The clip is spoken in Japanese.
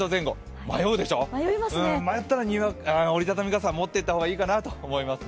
迷ったら折り畳み傘を持っていった方がいいかなと思いますね。